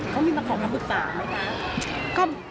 เขามีบางข้อมูลคุดต่างไหมคะ